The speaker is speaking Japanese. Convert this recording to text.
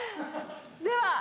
では